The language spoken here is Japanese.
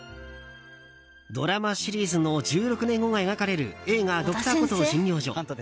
ドラマシリーズの１６年後が描かれる映画「Ｄｒ．コトー診療所」。